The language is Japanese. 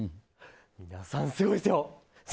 皆さん、すごいですよ。